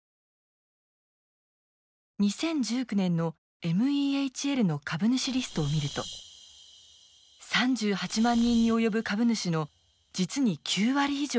２０１９年のＭＥＨＬの株主リストを見ると３８万人に及ぶ株主の実に９割以上が軍人や退役軍人でした。